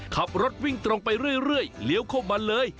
ขับรถวิ่งตรงไปเรื่อยเลี้ยวเข้ามาเลย